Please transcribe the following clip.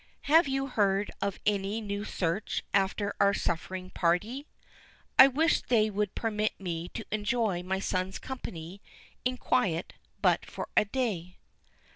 Have you heard of any new search after our suffering party? I wish they would permit me to enjoy my son's company in quiet but for a day."